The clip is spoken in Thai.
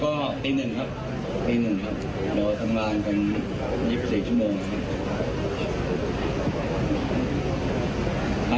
ก็ตีหนึ่งครับตีหนึ่งครับเราทำงานกัน๒๔ชั่วโมงนะครับ